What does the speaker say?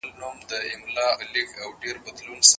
د ټولنیز یووالي لپاره کار وکړئ.